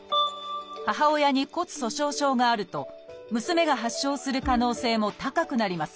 母親に骨粗しょう症があると娘が発症する可能性も高くなります。